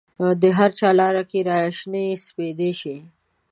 د هرچا لار کې را شنې سپیدې شي